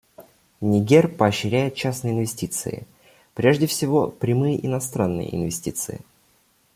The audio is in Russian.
Нигер поощряет частные инвестиции, прежде всего прямые иностранные инвестиции.